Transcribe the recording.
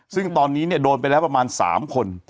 ซึ่งตอนนี้โดนไปแล้วประมาณ๓คน